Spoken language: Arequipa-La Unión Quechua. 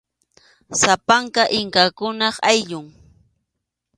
Sapanka inkakunap ayllun.